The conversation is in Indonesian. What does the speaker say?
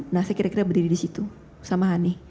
nah saya kira kira berdiri disitu sama hani